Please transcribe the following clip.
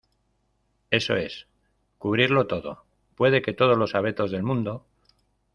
eso es, cubrirlo todo. puede que todos los abetos del mundo